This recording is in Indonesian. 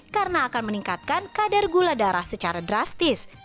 karena akan meningkatkan kadar gula darah secara drastis